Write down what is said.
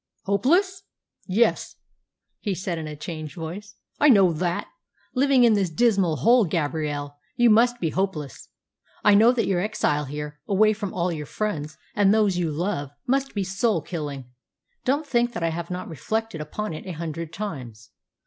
"Hopeless! Yes," he said in a changed voice, "I know that; living in this dismal hole, Gabrielle, you must be hopeless. I know that your exile here, away from all your friends and those you love, must be soul killing. Don't think that I have not reflected upon it a hundred times."